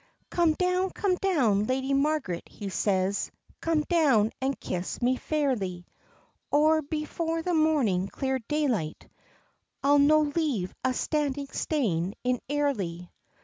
"Come down, come down, Lady Margaret," he says, "Come down and kiss me fairly, Or before the morning clear daylight, I'll no leave a standing stane in Airly."